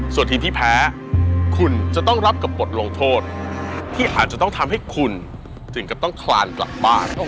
ส่วนทีมที่แพ้คุณจะต้องรับกับบทลงโทษที่อาจจะต้องทำให้คุณถึงกับต้องคลานกลับบ้าน